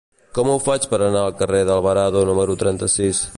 Com ho faig per anar al carrer d'Alvarado número trenta-sis?